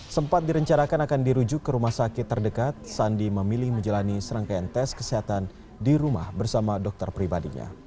sempat direncanakan akan dirujuk ke rumah sakit terdekat sandi memilih menjalani serangkaian tes kesehatan di rumah bersama dokter pribadinya